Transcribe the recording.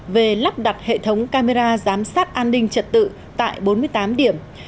về lắp đặt hệ thống camera giám sát an ninh trật tự tại bốn mươi tám điểm